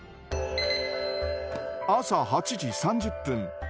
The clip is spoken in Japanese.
朝８時３０分。